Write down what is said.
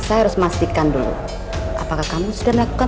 bashir stops bahkan untuk mendatang maulnan